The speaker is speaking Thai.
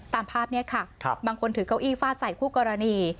ตามภาพนี้ค่ะบางคนถือเก้าอี้ฟาดใส่คู่กรณี